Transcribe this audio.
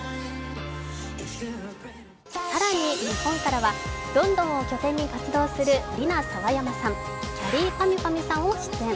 更に日本からはロンドンを拠点に活動するリナ・サワヤマさん、きゃりーぱみゅぱみゅさんが出演。